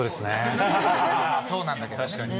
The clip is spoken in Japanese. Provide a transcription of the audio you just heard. そうなんだけどね。